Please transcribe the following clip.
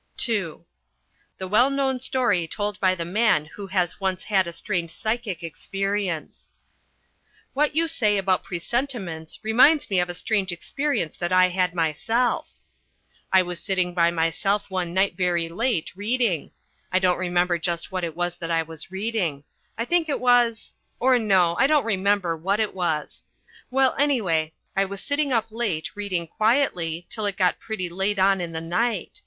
(II) The well known story told by the man who has once had a strange psychic experience. ...What you say about presentiments reminds me of a strange experience that I had myself. I was sitting by myself one night very late, reading. I don't remember just what it was that I was reading. I think it was or no, I don't remember what it was. Well, anyway, I was sitting up late reading quietly till it got pretty late on in the night.